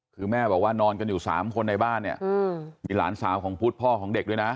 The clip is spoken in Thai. คือแม่บอกว่านอนกันอยู่๓คนในบ้านเนี่ยมีหลานสาวของพุทธพ่อของเด็กด้วยนะ